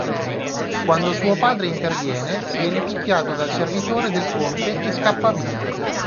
Quando suo padre interviene, viene picchiato dal servitore del Conte e scappa via.